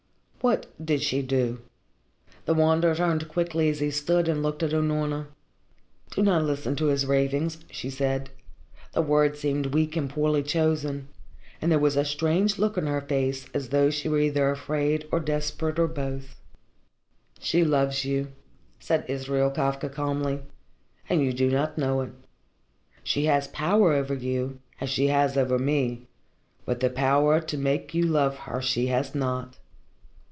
"What did she do?" The Wanderer turned quickly as he stood, and looked at Unorna. "Do not listen to his ravings," she said. The words seemed weak and poorly chosen, and there was a strange look in her face as though she were either afraid or desperate, or both. "She loves you," said Israel Kafka calmly. "And you do not know it. She has power over you, as she has over me, but the power to make you love her she has not.